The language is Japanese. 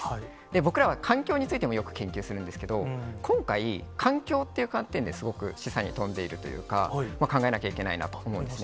僕らは環境についてもよく研究するんですけど、今回、環境っていう観点ですごくしさに富んでいるというか、考えなきゃいけないなと思うんですね。